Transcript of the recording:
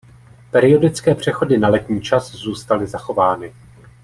Periodické přechody na letní čas zůstaly zachovány.